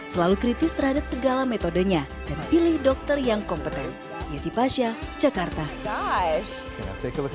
selalu kritis terhadap segala metodenya dan pilih dokter yang kompeten